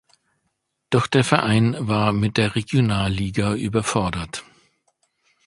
Doch der Verein war mit der Regionalliga überfordert.